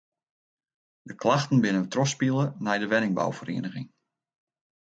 De klachten binne trochspile nei de wenningbouferieniging.